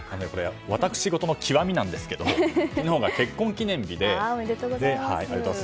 私事の極みなんですけど昨日が結婚記念日でありがとうございます。